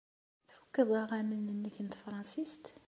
Tfukeḍ aɣanen-nnek n tefṛensist?